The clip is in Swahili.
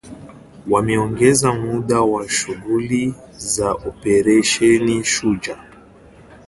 Wameongeza muda wa shughuli za Operesheni Shujaa